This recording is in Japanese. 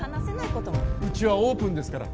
うちはオープンですから。